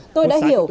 tôi đã hiểu